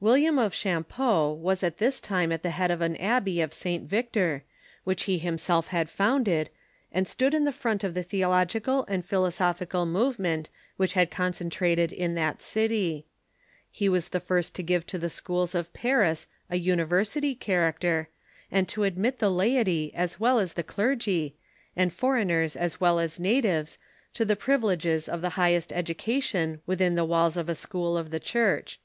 William of Champeaux was at this time at the head of the Abbey of St. Victor, which he himself had founded, and stood in'the front of the theological and pliilosophical move Wiiiiam of ^^^gj^^ which had concentrated in that city. He was Champeaux _... the first to give to the schools of Paris a university character, and to admit the laity as well as the clergy, and 182 THE MEDIAEVAL CHURCH foreigners as well as natives, to the privileges of the highest education within the walls of a school of the Church.